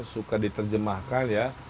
suka diterjemahkan ya